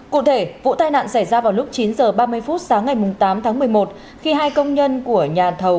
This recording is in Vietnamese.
cụ thể vụ tai nạn xảy ra vào lúc chín h ba mươi phút sáng ngày tám tháng một mươi một khi hai công nhân của nhà thầu